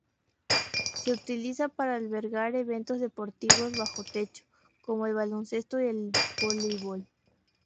Se utiliza para albergar eventos deportivos bajo techo, como el baloncesto y el voleibol.